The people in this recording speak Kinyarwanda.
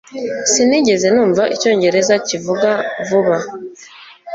Sinigeze numva icyongereza kivuga vuba